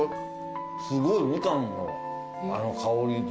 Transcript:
すごいみかんの香り。